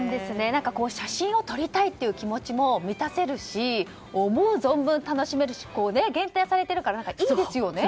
写真を撮りたいという気持ちも満たせるし、思う存分楽しめるし限定されているからいいですよね。